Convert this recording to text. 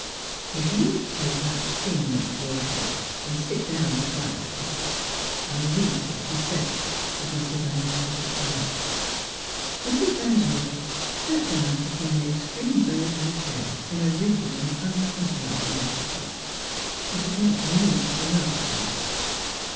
" If you will take that thing off your Miss Philura's Wedding Gown head and sit down quietly I will read what he sa^^s," was Mr. Van Duser's reply. Mrs. Van Dnser sat down upon the ex treme verge of a chair in a rigid and un compromising attitude. She did not re move the motor bonnet.